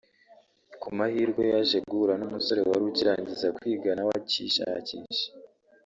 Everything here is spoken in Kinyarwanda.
Ku mahirwe yaje guhura n’umusore wari ukirangiza kwiga nawe akishakisha